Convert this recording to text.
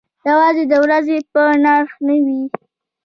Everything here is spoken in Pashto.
یوازې د ورځې په نرخ نه و.